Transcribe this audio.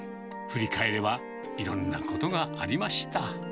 振り返れば、いろんなことがありました。